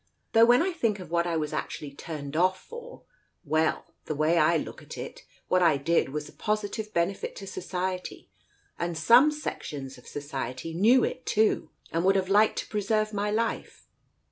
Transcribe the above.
Though when I think of what I was actually turned off ior l well — the way I look at it, what I did was a positive benefit to Society, and some sections of Society knew it, too, and would have liked to preserve my life."